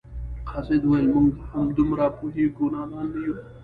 قاصد وویل موږ هم دومره پوهیږو نادان نه یو.